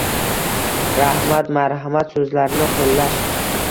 "Rahmat", "Marhamat" so‘zlarini qo‘llash